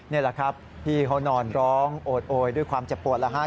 นี่แหละครับพี่เขานอนร้องโอดโอยด้วยความเจ็บปวดแล้วฮะ